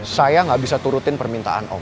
saya nggak bisa turutin permintaan om